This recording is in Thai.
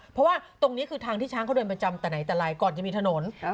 เพราะว่าตรงนี้คือทางที่ช้างเขาเดินประจำแต่ไหนแต่ไรก่อนจะมีถนน